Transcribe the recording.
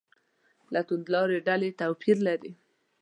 له توندلارې ډلې توپیر لري.